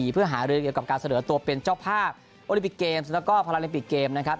เพื่อหารือเกี่ยวกับการเสนอตัวเป็นเจ้าภาพโอลิปิกเกมส์แล้วก็พาราลิมปิกเกมนะครับ